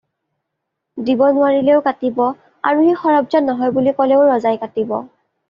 দিব নোৱাৰিলেও কাটিব, আৰু সি সৰব্জান নহয় বুলি ক'লেও ৰজাই কাটিব।